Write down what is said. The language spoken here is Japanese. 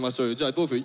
どうする？